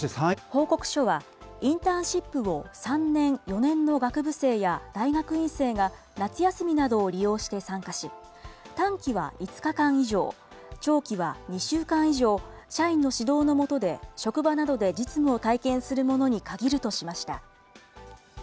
報告書は、インターンシップを３年、４年の学部生や大学院生が夏休みなどを利用して参加し、短期は５日間以上、長期は２週間以上、社員の指導の下で、職場などで実務を体験するものに限るとしました。